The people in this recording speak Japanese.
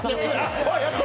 やった！